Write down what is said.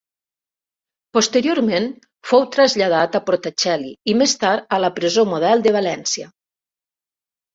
Posteriorment fou traslladat a Portaceli i més tard a la Presó Model de València.